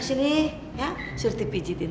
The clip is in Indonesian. udah sini ya surti pijitin